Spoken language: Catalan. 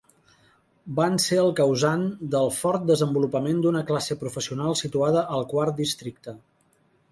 Van ser el causant del fort desenvolupament d'una classe professional situada al Quart Districte.